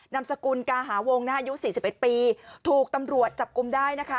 นำสกุลกาหาวงน่ายุงสี่สิบเอ็ดปีถูกตำรวจจับกลุ่มได้นะคะ